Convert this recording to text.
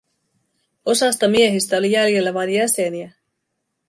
Osasta miehistä oli jäljellä vain jäseniä.